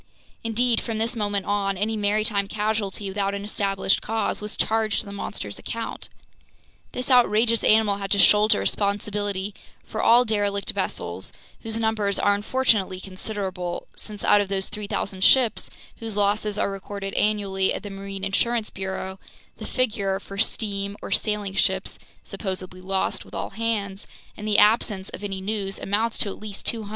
Indeed, from this moment on, any maritime casualty without an established cause was charged to the monster's account. This outrageous animal had to shoulder responsibility for all derelict vessels, whose numbers are unfortunately considerable, since out of those 3,000 ships whose losses are recorded annually at the marine insurance bureau, the figure for steam or sailing ships supposedly lost with all hands, in the absence of any news, amounts to at least 200!